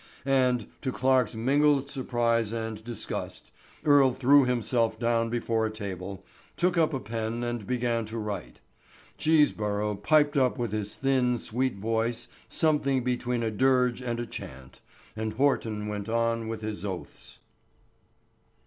And, to Clarke's mingled surprise and disgust, Earle threw himself down before a table, took up a pen and began to write. Cheeseborough piped up with his thin, sweet voice something between a dirge and a chant, and Horton went on with his oaths.